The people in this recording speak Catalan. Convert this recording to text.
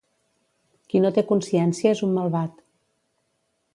Qui no té consciència és un malvat.